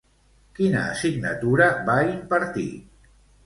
Quina assignatura va impartir?